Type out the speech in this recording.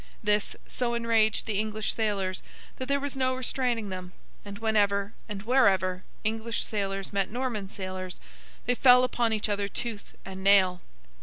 This so enraged the English sailors that there was no restraining them; and whenever, and wherever, English sailors met Norman sailors, they fell upon each other tooth and nail.